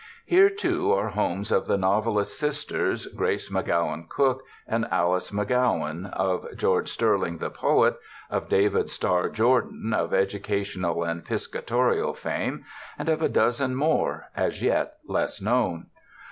Here, too, are homes of the novelist sisters, Grace MacGowan Cooke and Alice Mac Gowan, of George Sterling the poet, of David Starr Jordan of educational and piscatorial fame, and of a dozen more, as yet less known.